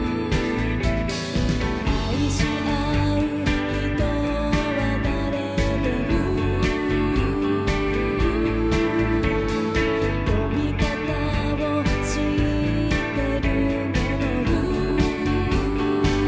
「愛しあう人は誰でも」「飛び方を知ってるものよ」